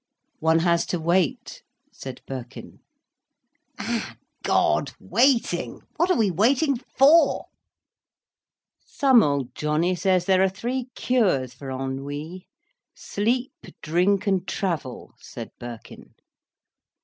"One has to wait," said Birkin. "Ah God! Waiting! What are we waiting for?" "Some old Johnny says there are three cures for ennui, sleep, drink, and travel," said Birkin.